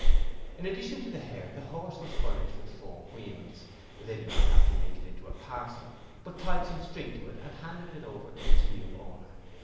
In addition to the hair, the horse was furnished with four wheels. They did not have it made into a parcel, but tied some string to it and handed it over to its new owner.